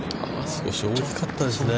少し大きかったですね。